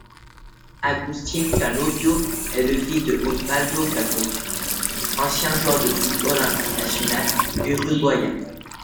Agustín Canobbio est le fils de Osvaldo Canobbio, ancien joueur de football international uruguayen.